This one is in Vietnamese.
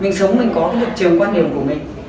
mình sống mình có cái lập trường quan điểm của mình